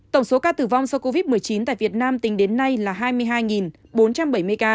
tổng số ca tử vong do covid một mươi chín tại việt nam tính đến nay là hai mươi hai bốn trăm bảy mươi ca